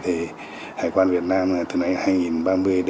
hải quan việt nam đã tạo ra một hệ thống hành chính cấp độ ba cấp độ bốn